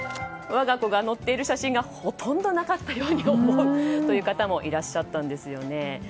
我が子が載っている写真がほとんどなかったように思うという方もいらっしゃったんですよね。